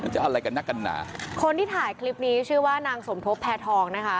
จะอะไรกันนักกันหนาคนที่ถ่ายคลิปนี้ชื่อว่านางสมทบแพทองนะคะ